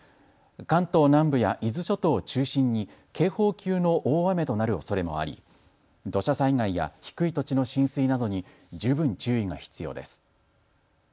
関東南部や伊豆諸島を中心に警報級の大雨となるおそれもあり土砂災害や低い土地の浸水などに十分注意が必要です。